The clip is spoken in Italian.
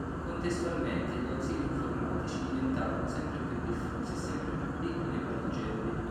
Contestualmente, gli ausili informatici diventarono sempre più diffusi e sempre più piccoli e maneggevoli.